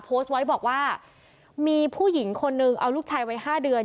โพสต์ไว้บอกว่ามีผู้หญิงคนนึงเอาลูกชายไว้ห้าเดือน